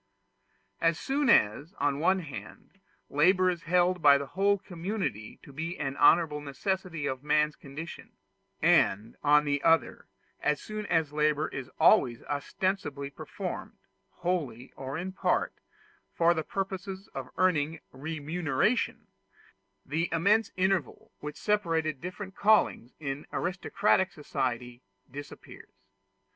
As soon as, on the one hand, labor is held by the whole community to be an honorable necessity of man's condition, and, on the other, as soon as labor is always ostensibly performed, wholly or in part, for the purpose of earning remuneration, the immense interval which separated different callings in aristocratic societies disappears.